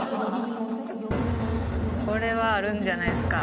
これはあるんじゃないですか？